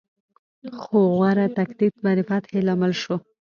خو غوره تکتیک به د فتحې لامل شو.